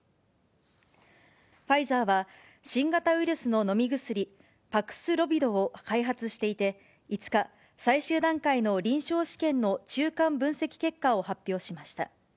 ファイザーは、新型ウイルスの飲み薬、パクスロビドを開発していて、５日、最終段階の臨床試験の中間分析結果を発表しました。